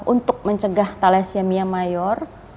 untuk mencegah thalassemia mayor